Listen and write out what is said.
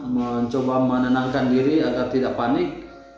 mencoba menenangkan diri agar tidak panik